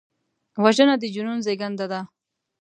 وژنه د جنون زیږنده ده